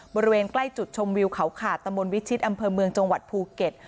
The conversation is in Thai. บริเวณใกล้จุดชมวิวเขาขาดตะมนต์วิชิตอำเภอเมืองจังหวัดภูเก็ต